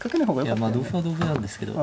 いやまあ同歩は同歩なんですけど。